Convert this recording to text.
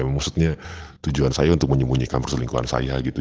maksudnya tujuan saya untuk menyembunyikan perselingkuhan saya gitu